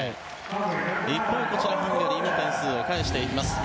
一方、ハンガリーも点数を返していきます。